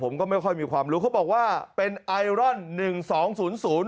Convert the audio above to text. ผมก็ไม่ค่อยมีความรู้เขาบอกว่าเป็นไอรอนหนึ่งสองศูนย์ศูนย์